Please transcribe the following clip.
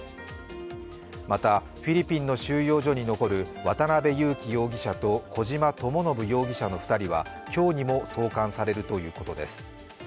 また、フィリピンの収容所に残る渡辺優樹容疑者と小島智信容疑者の２人は今日にも送還されるということです。